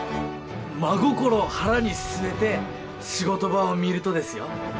真心を腹に据えて仕事場を見るとですよ